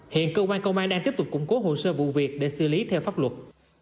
hiện cơ quan công an đang tiếp tục củng cố hồ sơ vụ việc để xử lý theo pháp luật